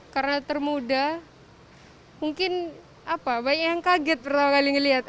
karena termuda mungkin banyak yang kaget pertama kali melihat